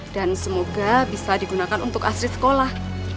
dan semoga bisa digunakan untuk asri sekolah